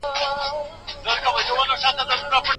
که لارښود په څېړنه بوخت نه وي نو له پوهي سره مینه نه لري.